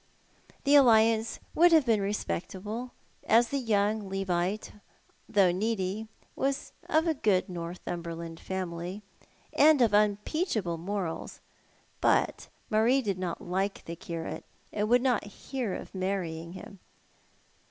TIio alliance ■would have been respectable, as the young Levito, though needy, •n^as of a good Northumberland family, and of unimpeachable morals ; but Marie did not like the curate, and would not hear of marrying him.